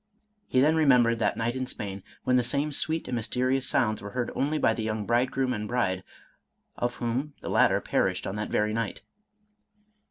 He then remembered that night in Spain, when the same sweet and mysterious sounds were heard only by the young bridegroom and bride, of whom the latter perished on that very night.